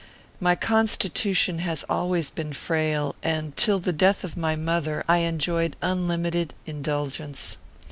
My constitution has always been frail, and, till the death of my mother, I enjoyed unlimited indulgence.